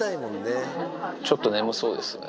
ちょっと眠そうですね。